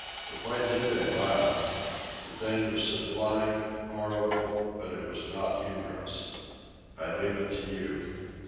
But why did they laugh? The thing was sublime, horrible, but it was not humorous. I leave it to you.